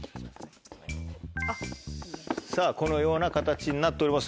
さぁこのような形になっております。